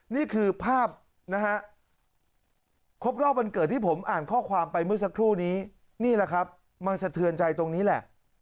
นี่คือภาพนะฮะครบรอบวันเกิดที่ผมอ่านข้อความไปเมื่อสักครู่นี้นี่แหละครับมันสะเทือนใจตรงนี้แหละ